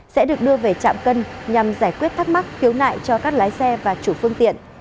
sẽ được đưa về trạm cân nhằm giải quyết thắc mắc khiếu nại cho các lái xe và chủ phương tiện